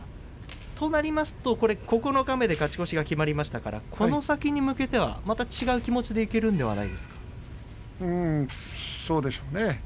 九日目で勝ち越しが決まりましたからこの先に向けてはまた違う気持ちでそうでしょうね。